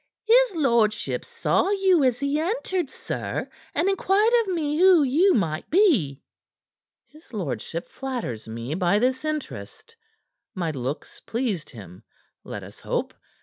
"His lordship saw you as he entered, sir, and inquired of me who you might be." "His lordship flatters me by this interest. My looks pleased him, let us hope.